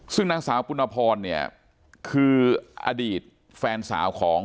ซึ่งนางสาวปุณพรเนี่ยคืออดีตแฟนสาวของ